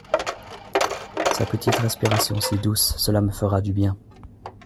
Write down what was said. Sa petite respiration si douce, cela me fera du bien.